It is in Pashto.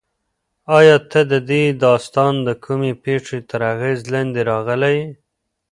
ایا ته د دې داستان د کومې پېښې تر اغېز لاندې راغلی یې؟